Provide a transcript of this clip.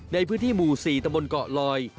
ในพื้นที่หมู่๔ตะบนเกาะลอย